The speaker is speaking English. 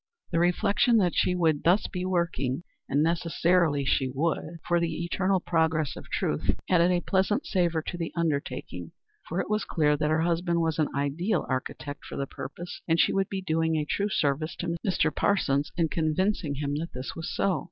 The reflection that she would thus be working as necessarily she would for the eternal progress of truth, added a pleasant savor to the undertaking, for it was clear that her husband was an ideal architect for the purpose, and she would be doing a true service to Mr. Parsons in convincing him that this was so.